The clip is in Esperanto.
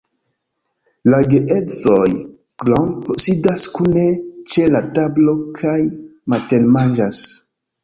La geedzoj Klomp sidas kune ĉe la tablo kaj matenmanĝas.